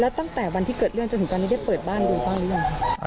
แล้วตั้งแต่วันที่เกิดเรื่องจนถึงตอนนี้ได้เปิดบ้านดูบ้างหรือยัง